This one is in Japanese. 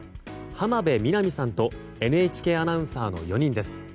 浜辺美波さんとＮＨＫアナウンサーの４人です。